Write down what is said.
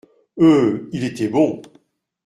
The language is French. Euh ! il était bon !